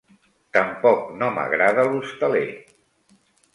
Tampoc no m'agrada l'hostaler.